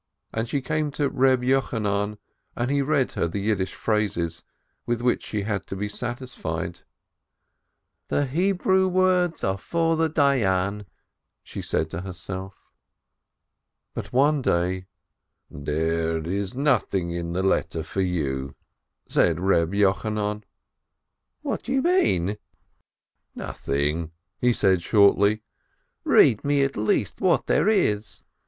And she came to Reb Yochanan, and he read her the Yiddish phrases, with which she had to be satisfied. "The Hebrew words are for the Dayan," she said to herself. But one day, "There is nothing in the letter for you," said Reb Yochanan. "What do you mean ?" "Nothing," he said shortly. "Read me at least what there is."